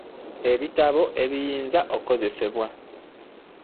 Ebitabo ebiyinza okukozesebwa.